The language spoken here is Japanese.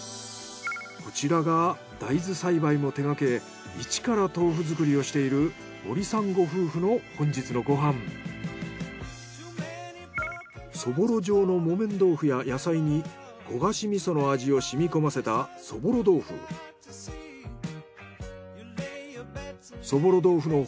こちらが大豆栽培も手がけ一から豆腐作りをしているそぼろ状の木綿豆腐や野菜に焦がし味噌の味を染み込ませたそぼろ豆腐。